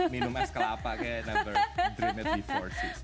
minum es kelapa kayak never dream it before sih